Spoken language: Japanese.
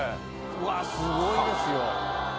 うわすごいですよ。